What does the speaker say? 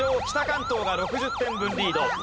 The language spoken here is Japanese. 北関東が６０点分リード。